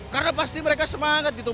karena pasti mereka semangat gitu